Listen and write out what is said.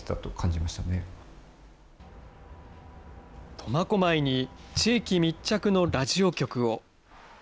苫小牧に地域密着のラジオ局を。